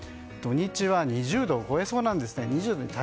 土日は２０度を超えそうなんですね。